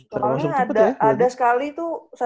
paling ada sekali tuh